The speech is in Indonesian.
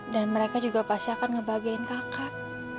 dan mereka juga pasti akan ngebahagiain kakak